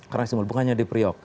karena semuanya di priok